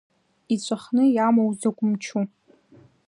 Иҵәахны иамоу закә мчу!